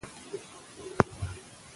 د جګړې او سولې رومان یو الهام بښونکی اثر دی.